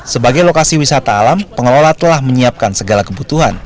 sebagai lokasi wisata alam pengelola telah menyiapkan segala kebutuhan